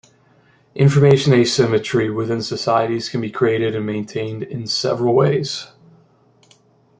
Information asymmetry within societies can be created and maintained in several ways.